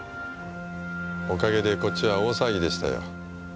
おかげでこっちは大騒ぎでしたよ。